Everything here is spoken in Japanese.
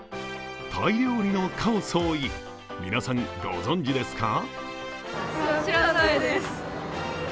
タイ料理のカオソーイ、皆さん、ご存じですか。